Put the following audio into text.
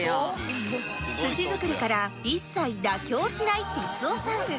土作りから一切妥協しない哲夫さん